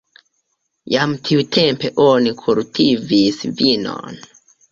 Jam tiutempe oni kultivis vinon.